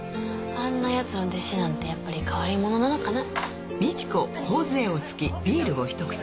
あんなやつの弟子なんてやっぱり変わり者なのかな？